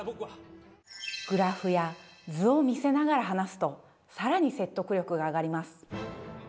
グラフや図を見せながら話すと更に説得力が上がります。